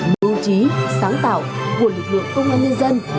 mưu trí sáng tạo của lực lượng công an nhân dân